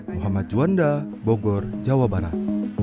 muhammad juanda bogor jawa barat